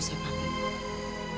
ini membuatnya amat baik wegen daya